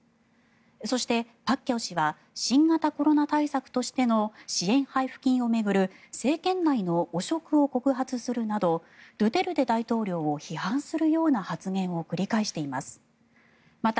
そして、パッキャオ氏は新型コロナ対策としての支援配布金を巡る政権内の汚職を告発するなどドゥテルテ大統領を批判するような発言を繰り返しています。